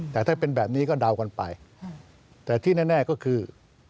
แต่ถ้าเป็นแบบนี้ก็เดากันไปแต่ที่แน่ก็คือ